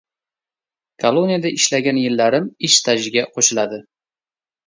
"Koloniyada ishlagan yillarim ish stajiga qo`shiladi?"